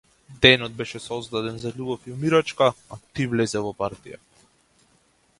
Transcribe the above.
Денот беше создаден за љубов и умирачка, а ти влезе во партија.